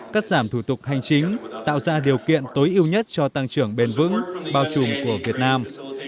cắt giảm thủ tục hành chính tạo ra điều kiện tối ưu nhất cho tăng trưởng bền vững bao trùm của việt nam